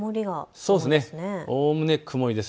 おおむね曇りです。